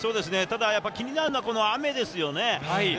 気になるのはこの雨ですよね。